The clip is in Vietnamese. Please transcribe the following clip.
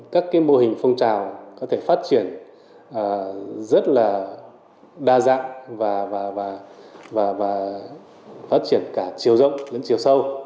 các mô hình phong trào có thể phát triển rất là đa dạng và phát triển cả chiều rộng đến chiều sâu